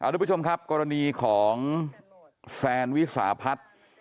ทุกผู้ชมครับกรณีของแซนวิสาพัฒน์